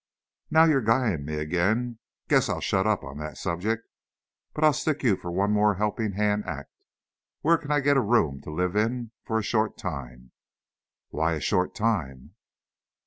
"Now you're guying me again. Guess I'll shut up on that subject. But I'll stick you for one more helping hand act. Where can I get a room to live in for a short time?" "Why a short time?"